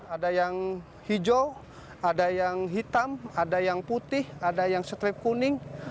ada yang hijau ada yang hitam ada yang putih ada yang strip kuning